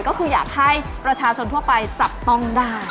ก็คืออยากให้ประชาชนทั่วไปจับต้องได้